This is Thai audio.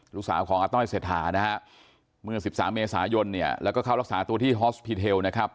ลูกสาวของอาต้อยเศรษฐานะฮะเมื่อ๑๓เมษายนเนี่ยแล้วก็เข้ารักษาตัวที่ฮอสพีเทลนะครับ